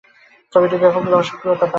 ছবিটি ব্যাপক দর্শকপ্রিয়তা পায়।